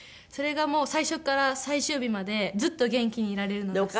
それが最初っから最終日までずっと元気にいられるのが。